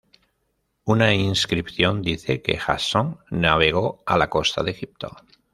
Una inscripción dice que Jasón navegó a la costa de Egipto.